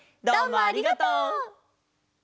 どうもありがとう！